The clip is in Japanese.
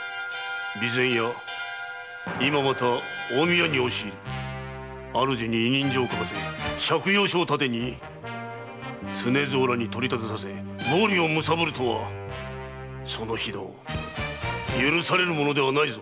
今また近江屋に押し入り主に委任状を書かせ借用書を盾に取り立てさせ暴利を貪るとはその非道許されるものではないぞ。